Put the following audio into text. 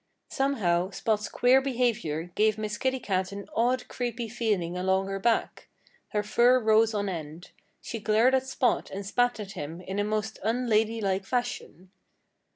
Somehow Spot's queer behavior gave Miss Kitty Cat an odd, creepy feeling along her back. Her fur rose on end. She glared at Spot and spat at him in a most unladylike fashion.